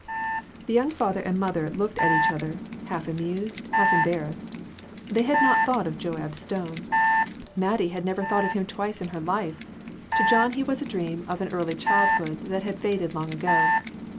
The young mother and father looked at each other, half amused, half embarrassed ; they had not thought of Joab Stone; Mattie had never J. S. R. 429 thought of him twice in her life ; to John he was a dream of an early childhood, that had faded long ago.